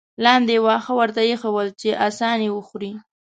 لاندې یې واښه ورته اېښي ول چې اسان یې وخوري.